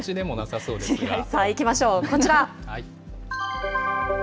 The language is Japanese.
さあ、いきましょう、こちら。